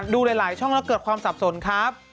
ดูหลายช่องแล้วเกิดความสับสนครับ